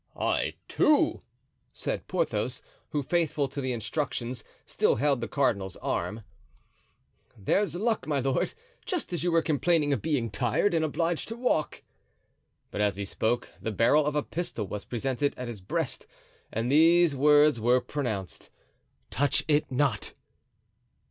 "I, too," said Porthos, who, faithful to the instructions, still held the cardinal's arm. "There's luck, my lord! just as you were complaining of being tired and obliged to walk." But as he spoke the barrel of a pistol was presented at his breast and these words were pronounced: "Touch it not!"